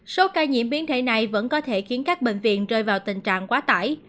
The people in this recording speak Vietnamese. số ca nhiễm biến thể này vẫn có thể khiến các bệnh viện rơi vào tình trạng quá tải